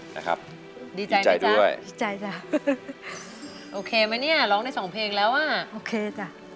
นะครับดีใจไหมจ๊ะดีใจจ้ะโอเคไหมเนี่ยร้องได้สองเพลงแล้วอ่ะโอเคจ้ะ